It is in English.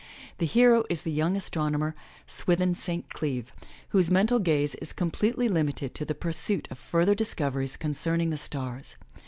The hero is the young as tronomer, Swithin St. Cleeve, whose mental gaze is completely limited to the pursuit of further discoveries concerning the stars.